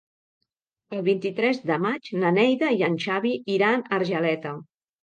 El vint-i-tres de maig na Neida i en Xavi iran a Argeleta.